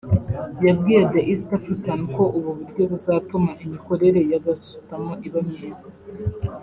yabwiye The East African ko ubu buryo buzatuma imikorere ya gasutamo iba myiza